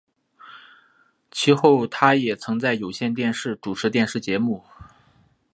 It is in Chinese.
其后他也曾在有线电视主持电视节目。